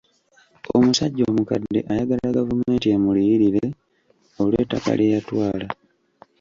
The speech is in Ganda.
Omusajja omukadde ayagala gavumenti emuliyirire olw'ettaka lye yatwala.